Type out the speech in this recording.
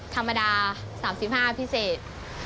ธรรมดา๓๕พิเศษ